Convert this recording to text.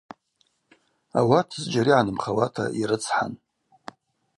Ауат зджьара йгӏанымхауата йрыцхӏан.